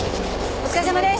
お疲れさまです。